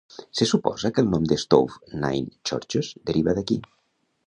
Se suposa que el nom de Stowe Nine Churches deriva d'aquí.